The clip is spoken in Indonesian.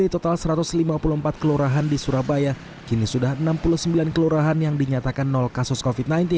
total satu ratus lima puluh empat kelurahan di surabaya kini sudah enam puluh sembilan kelurahan yang dinyatakan kasus covid sembilan belas